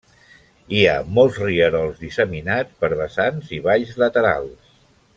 Hi ha molts rierols disseminats per vessants i valls laterals.